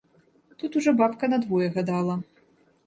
Тут ужо бабка на двое гадала.